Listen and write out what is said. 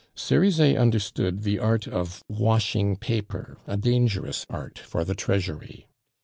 Cerizet understood the art of washing paper, a dangerous art for the Treasury.